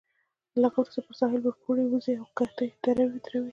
له هغه وروسته پر ساحل ورپورې وزئ او کښتۍ ودروئ.